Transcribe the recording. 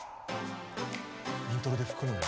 イントロで吹くのよ。